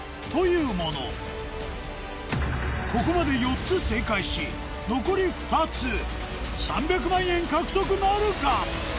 ここまで４つ正解し残り２つ３００万円獲得なるか？